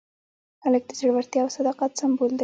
هلک د زړورتیا او صداقت سمبول دی.